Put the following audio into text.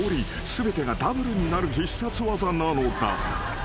［全てがダブルになる必殺技なのだ］